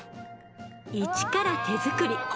一から手作り。